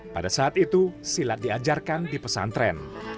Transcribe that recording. pada saat itu silat diajarkan di pesantren